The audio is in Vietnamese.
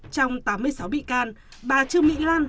trong tám mươi sáu bị can bà trương mỹ lan